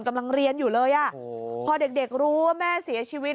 กำลังเรียนอยู่เลยอ่ะพอเด็กรู้ว่าแม่เสียชีวิต